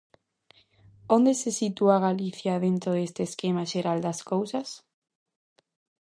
Onde se sitúa Galicia dentro deste esquema xeral das cousas?